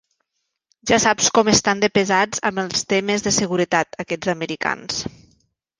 Ja saps com estan de pesats amb els temes de seguretat, aquests americans.